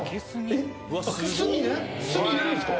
炭入れるんすか！？